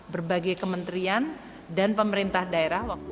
berbagai kementerian dan pemerintah daerah